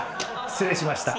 失礼しました。